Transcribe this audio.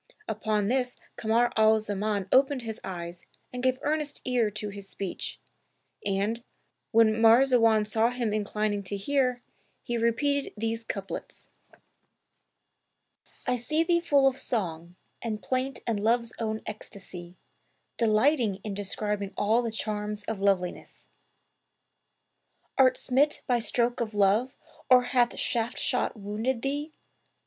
'' Upon this Kamar al Zaman opened his eyes and gave earnest ear to his speech; and, when Marzawan saw him inclining to hear, he repeated these couplets[FN#287], "I see thee full of song and plaint and love's own ecstasy; Delighting in describing all the charms of loveliness: Art smit by stroke of Love or hath shaft shot wounded thee?